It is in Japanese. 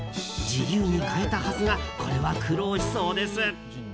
自由に買えたはずがこれは苦労しそうです。